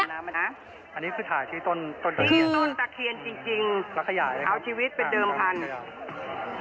ต้นตะเคียนจริงเอาชีวิตเป็นเดิมพันธุ์